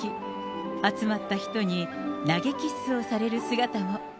集まった人に投げキッスをされる姿も。